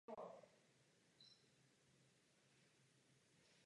Život tehdejších učitelů nebyl jednoduchý.